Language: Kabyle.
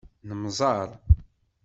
Nemmẓer.